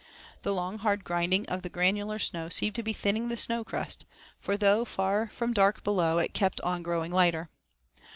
The long, hard grinding of the granular snow seemed to be thinning the snow crust, for though far from dark below, it kept on growing lighter.